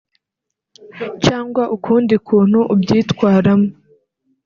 cyangwa ukundi kuntu ubyitwaramo